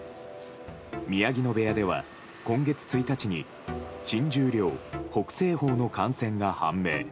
宮城野部屋では今月１日に新十両・北青鵬の感染が判明。